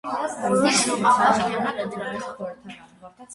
Որոշ ժամանակ եղել է դրա քարտուղարը։